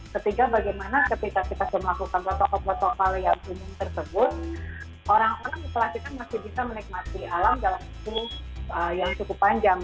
ketiga bagaimana ketika kita sudah melakukan protokol protokol yang umum tersebut orang orang pastikan masih bisa menikmati alam dalam waktu yang cukup panjang